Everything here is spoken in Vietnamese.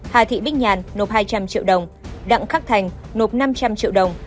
hà thị bích nhàn nộp hai trăm linh triệu đồng đặng khắc thành nộp năm trăm linh triệu đồng